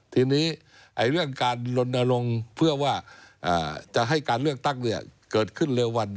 ทีนี้เรื่องการลนลงเพื่อว่าจะให้การเลือกตั้งเกิดขึ้นเร็ววัน